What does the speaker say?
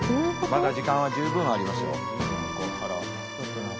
まだ時間は十分ありますよ。